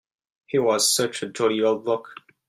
He was such a jolly old bloke.